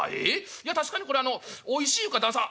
いや確かにこれあのおいしいいうか旦さん